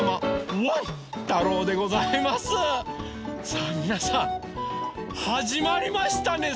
さあみなさんはじまりましたね！